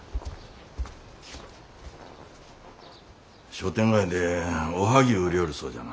商店街でおはぎゅう売りょうるそうじゃな。